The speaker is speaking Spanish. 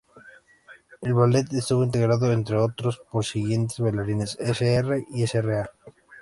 El ballet estuvo integrado, entre otros, por los siguientes bailarines: Sr. y Sra.